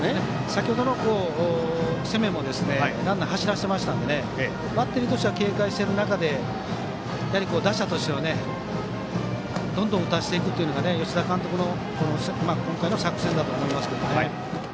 先程の攻めもランナーを走らせていたのでバッテリーとしては警戒している中で打者としては、どんどん打たせていくのが、吉田監督の今回の作戦だと思いますけど。